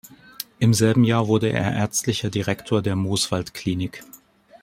Im selben Jahr wurde er Ärztlicher Direktor der Mooswald-Klinik.